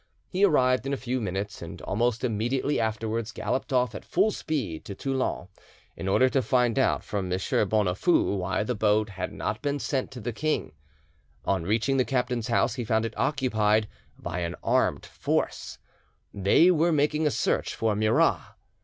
He arrived in a few minutes, and almost immediately afterwards galloped off at full speed to Toulon, in order to find out from M. Bonafoux why the boat had not been sent to the king. On reaching the captain's house, he found it occupied by an armed force. They were making a search for Murat.